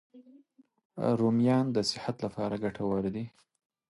رومیان د صحت لپاره ګټور دي